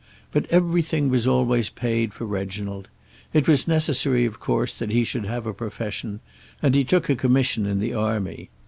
But everything was always paid for Reginald. It was necessary, of course, that he should have a profession, and he took a commission in the army.